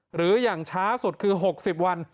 หรืออย่างช้าสุดคือ๖๐วัน